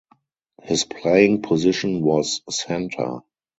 His playing position was centre.